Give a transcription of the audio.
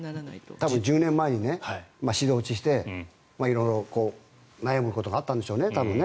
多分１０年前にシード落ちして色々悩むことがあったんでしょうね。